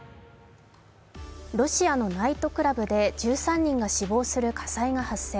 ロシアのナイトクラブで１３人が死亡する火災が発生。